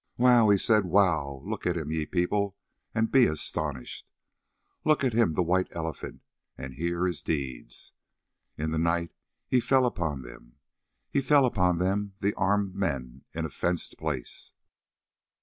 "Wow!" he said, "wow! Look at him, ye people, and be astonished. "Look at him, the White Elephant, and hear his deeds. "In the night he fell upon them. "He fell upon them, the armed men in a fenced place.